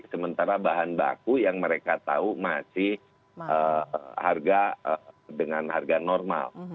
sementara bahan baku yang mereka tahu masih dengan harga normal